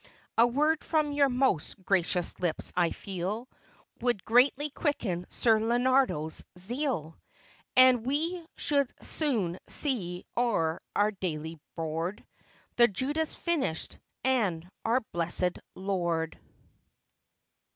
A word from your most gracious lips, I feel. Would greatly quicken Ser Leonardo's zeal, And we should soon see o'er our daily board, The Judas finished, and our blessed Lord.